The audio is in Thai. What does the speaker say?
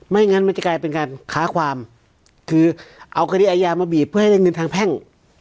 งั้นมันจะกลายเป็นการค้าความคือเอาคดีอายามาบีบเพื่อให้ได้เงินทางแพ่ง